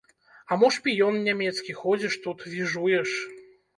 А мо шпіён нямецкі, ходзіш тут, віжуеш!